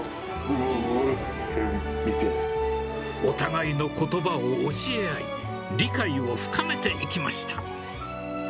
お互いのことばを教え合い、理解を深めていきました。